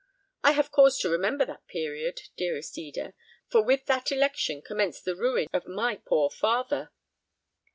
I have cause to remember that period, dearest Eda, for with that election commenced the ruin of my poor father.